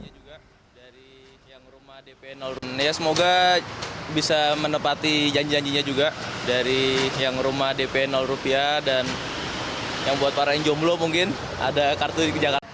dari yang rumah dpi rupiah semoga bisa menepati janji janjinya juga dari yang rumah dpi rupiah dan yang buat para yang jomblo mungkin ada kartu di jakarta